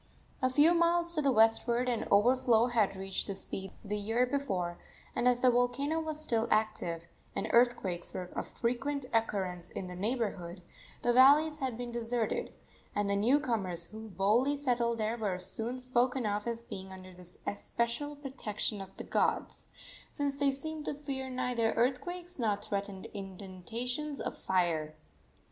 A few miles to the westward an overflow had reached the sea the year before, and as the volcano was still active, and earthquakes were of frequent occurrence in the neighborhood, the valleys had been deserted, and the new comers who boldly settled there were soon spoken of as being under the especial protection of the gods, since they seemed to fear neither earthquakes nor threatened inundations of fire.